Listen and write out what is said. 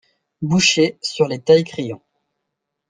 Boucher, sur les taille-crayons.